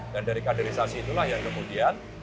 dan dari kaderisasi itulah ya kemudian